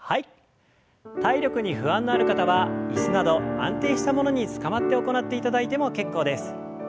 体力に不安のある方は椅子など安定したものにつかまって行っていただいても結構です。